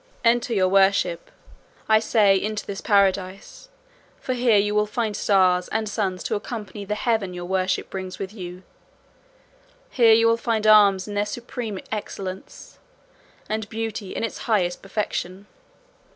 Enter, your worship, I say, into this paradise, for here you will find stars and suns to accompany the heaven your worship brings with you, here you will find arms in their supreme excellence, and beauty in its highest perfection."